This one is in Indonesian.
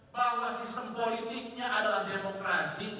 bahwa sistem politiknya adalah demokrasi